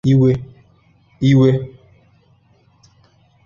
iwe